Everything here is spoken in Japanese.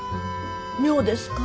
妙ですか？